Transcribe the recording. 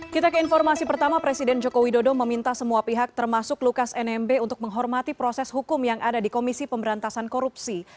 kita ke informasi pertama presiden joko widodo meminta semua pihak termasuk lukas nmb untuk menghormati proses hukum yang ada di komisi pemberantasan korupsi